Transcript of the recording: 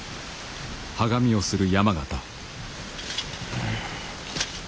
うん。